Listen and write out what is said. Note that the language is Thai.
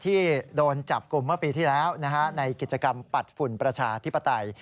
ที่โดนจับกลุ่มเมื่อปีที่แล้วในกิจกรรมปัดฝุ่นประชาธิปไตย